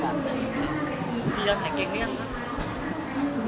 เกียรติภัยเก่งหรือยัง